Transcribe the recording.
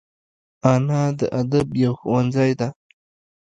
انا د ادب یو ښوونځی ده